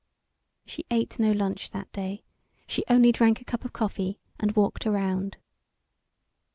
She ate no lunch that day; she only drank a cup of coffee and walked around.